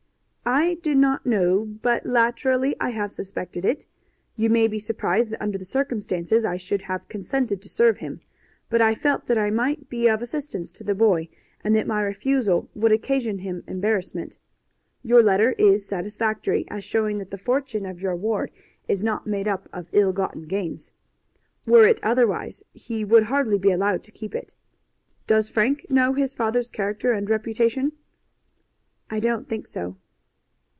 "I did not know, but latterly I have suspected it. You may be surprised that under the circumstances I should have consented to serve him. But I felt that I might be of assistance to the boy, and that my refusal would occasion him embarrassment. Your letter is satisfactory, as showing that the fortune of your ward is not made up of ill gotten gains. Were it otherwise, he would hardly be allowed to keep it. Does Frank know his father's character and reputation?" "I don't think so."